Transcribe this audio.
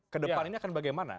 kedepan ini akan bagaimana